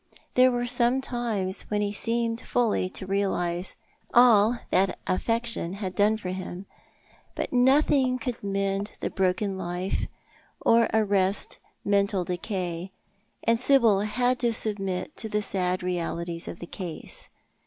There were times when he seemed fully to realise all that affection had done for him; but nothing could mend the broken life, or arrest mental decay, and Sibyl had to submit to the sad realities of the case.